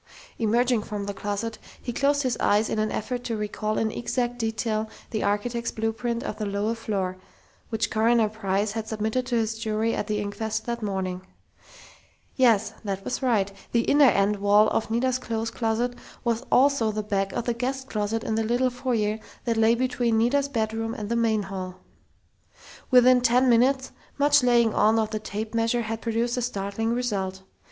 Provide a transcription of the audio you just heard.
Emerging from the closet he closed his eyes in an effort to recall in exact detail the architect's blueprint of the lower floor, which Coroner Price had submitted to his jury at the inquest that morning. Yes, that was right! The inner end wall of Nita's clothes closet was also the back of the guest closet in the little foyer that lay between Nita's bedroom and the main hall. Within ten minutes, much laying on of the tape measure had produced a startling result.